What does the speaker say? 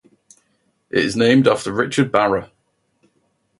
It is named after Richard Barrer.